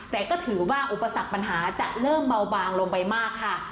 แต่ก็ถือว่าอุปสรรคปัญหาจะเริ่มเบาบางลงไปมากค่ะ